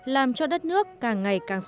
làm cho đất nước càng ngày càng tốt